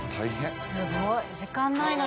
すごい時間ないのに。